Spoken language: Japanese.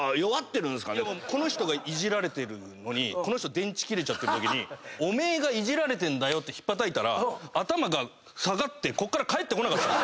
この人がいじられてるのに電池切れちゃってるときにお前がいじられてんだよってひっぱたいたら頭が下がってこっから返ってこなかった。